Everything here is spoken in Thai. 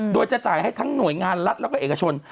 โดยจะจ่ายให้ทั้งหน่วยงานรัฐแล้วก็เอกชน